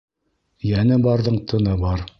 Йәне барҙың тыны бар.